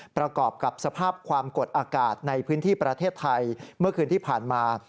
ประกอบกับสภาพความกดอากาศในพื้นที่ประเทศไทยเมื่อคืนที่ผ่านมา